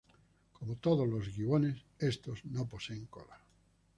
Como todos los gibones, estos no poseen cola.